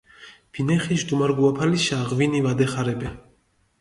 ბინეხიში დუმარგუაფალიშა ღვინი ვადეხარებე.